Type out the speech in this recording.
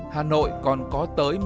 hà nội còn có tờ